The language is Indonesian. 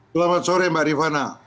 selamat sore mbak rifana